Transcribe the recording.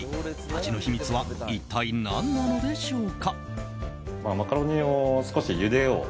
味の秘密は一体何なのでしょうか。